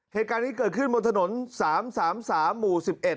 เหตุการณ์นี้เกิดขึ้นบนถนน๓๓หมู่๑๑